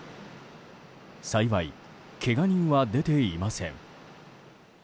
幸い、けが人は出ていません。